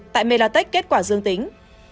tại melatech kết quả dương tính